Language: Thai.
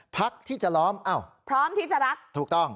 พักที่จะล้อมพร้อมที่จะรัก